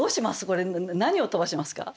これ何を飛ばしますか？